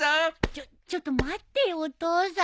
ちょちょっと待ってよお父さん。